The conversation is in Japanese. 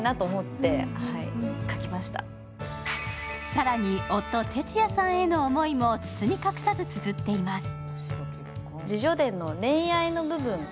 更に夫・てつやさんへの思いも包み隠さずつづっています。